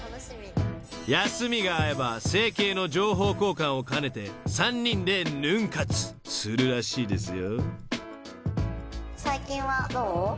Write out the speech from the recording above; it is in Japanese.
［休みが合えば整形の情報交換を兼ねて３人でヌン活するらしいですよ］